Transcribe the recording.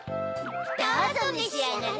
どうぞめしあがれ！